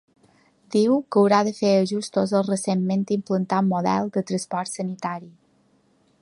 Diu que haurà de fer ajustos al recentment implantat model de transport sanitari.